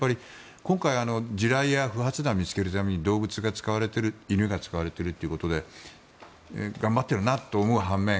今回、地雷や不発弾を見つけるために動物が使われている犬が使われているということで頑張っているなと思う半面